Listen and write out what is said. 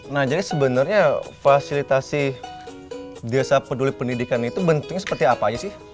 nah jadi sebenarnya fasilitasi desa peduli pendidikan itu bentuknya seperti apa aja sih